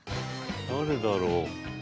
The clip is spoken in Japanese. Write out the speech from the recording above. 誰だろうん？